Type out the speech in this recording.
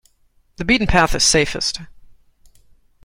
The beaten path is safest.